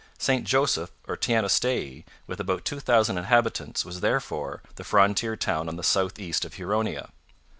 St Joseph or Teanaostaiae, with about two thousand inhabitants, was therefore the frontier town on the south east of Huronia.